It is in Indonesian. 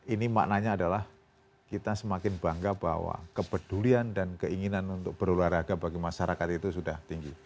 ini maknanya adalah kita semakin bangga bahwa kepedulian dan keinginan untuk berolahraga bagi masyarakat itu sudah tinggi